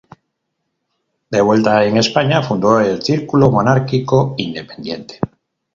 De vuelta en España, fundó el Círculo Monárquico Independiente.